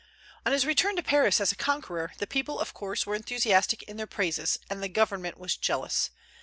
On his return to Paris as a conqueror, the people of course were enthusiastic in their praises, and the Government was jealous.